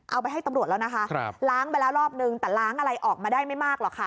เอาไปให้ตำรวจแล้วนะคะล้างไปแล้วรอบนึงแต่ล้างอะไรออกมาได้ไม่มากหรอกค่ะ